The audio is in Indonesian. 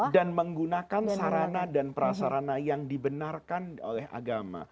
menggunakan sarana dan prasarana yang dibenarkan oleh agama